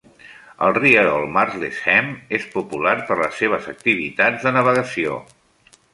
El rierol Martlesham és popular per les seves activitats de navegació.